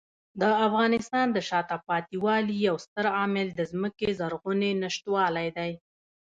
د افغانستان د شاته پاتې والي یو ستر عامل د ځمکې زرغونې نشتوالی دی.